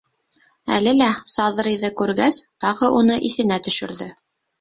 Әле лә Саҙрыйҙы күргәс, тағы уны иҫенә төшөрҙө.